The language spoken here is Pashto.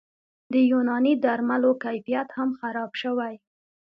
د یوناني درملو کیفیت هم خراب شوی